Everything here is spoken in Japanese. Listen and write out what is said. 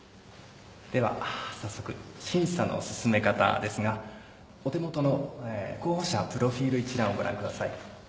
では早速審査の進め方ですがお手元の候補者プロフィル一覧をご覧ください。